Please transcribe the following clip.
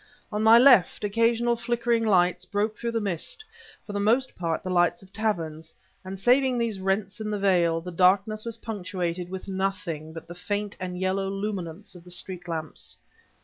On my left, occasional flickering lights broke through the mist, for the most part the lights of taverns; and saving these rents in the veil, the darkness was punctuated with nothing but the faint and yellow luminance of the street lamps.